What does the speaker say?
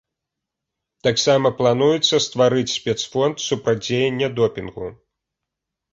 Таксама плануецца стварыць спецфонд супрацьдзеяння допінгу.